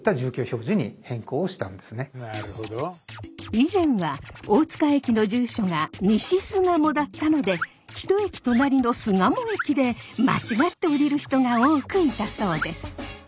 以前は大塚駅の住所が西巣鴨だったので一駅隣の巣鴨駅で間違って降りる人が多くいたそうです。